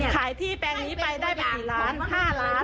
ขายที่แปลงนี้ไปได้ไปกี่ล้าน๕ล้าน